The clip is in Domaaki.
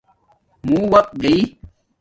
موں وقت گݵ